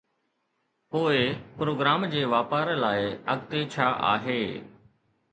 پوءِ پروگرام جي واپار لاءِ اڳتي ڇا آهي؟